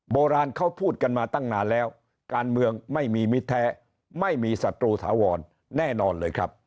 โบราณเขาพูดกันมาตั้งนานแล้วการเมืองไม่มีมิตรแท้ไม่มีศัตรูถาวรแน่นอนเลยครับ